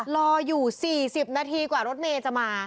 รออยู่๔๐นาทีกว่ารถเมย์จะมา